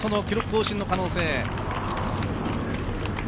記録更新の可能性。